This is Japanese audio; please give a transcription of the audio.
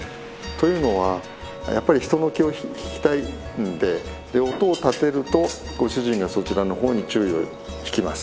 というのはやっぱり人の気を引きたいんでで音を立てるとご主人がそちらの方に注意を引きます。